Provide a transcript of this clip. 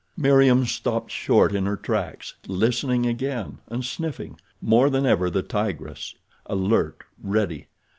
Meriem stopped short in her tracks, listening again, and sniffing—more than ever the tigress; alert, ready.